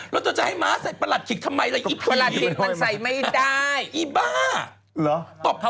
เราจะจะให้ม้าใส่ประหลัดขีกทำไมล่ะอีบพี่